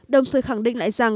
đồng thời khẳng định lại rằng